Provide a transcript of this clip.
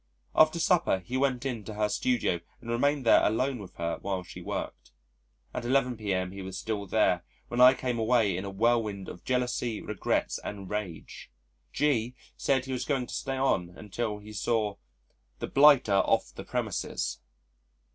After supper, he went in to her studio and remained there alone with her while she worked. At 11 p.m. he was still there when I came away in a whirlwind of jealousy, regrets, and rage. G said he was going to stay on until he saw "the blighter off the premises."